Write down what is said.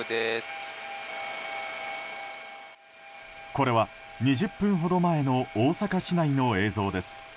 これは２０分ほど前の大阪市内の映像です。